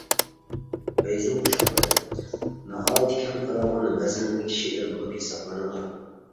«بەيزۇ قوشاقلىرى» ناھايىتى كەڭ تارالغان ۋەزىنلىك شېئىر بولۇپ ھېسابلىنىدۇ.